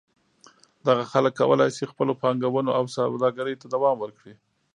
دغه خلک کولای شي خپلو پانګونو او سوداګرۍ ته دوام ورکړي.